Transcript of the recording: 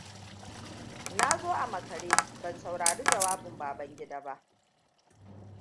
Na zo a makare ban saurari jawabin Babangida ba.